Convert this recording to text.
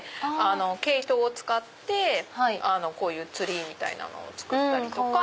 毛糸を使ってこういうツリーを作ったりとか。